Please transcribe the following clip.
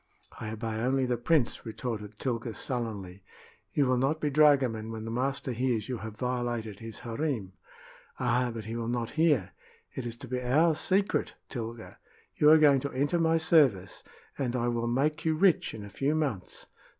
"I obey only the prince," retorted Tilga, sullenly. "You will not be dragoman when the master hears you have violated his harem." "Ah, but he will not hear! It is to be our secret, Tilga. You are going to enter my service, and I will make you rich in a few months.